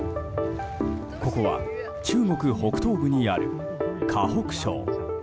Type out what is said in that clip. ここは中国北東部にある河北省。